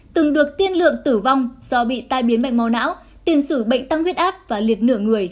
từng được tiên lượng tử vong do bị tai biến bệnh mau não tiền sử bệnh tăng huyết áp và liệt nửa người